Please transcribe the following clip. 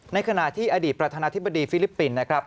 ในขณะที่อดีตประธานาธิบดีฟิลิปปินส์นะครับ